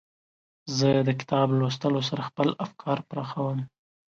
زه د کتاب لوستلو سره خپل افکار پراخوم.